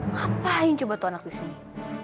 ngapain coba tuh anak di sini